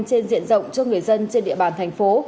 trên diện rộng cho người dân trên địa bàn thành phố